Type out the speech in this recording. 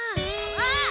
あっ！